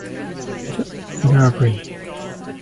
The Serra Dourada Mountains are nearby.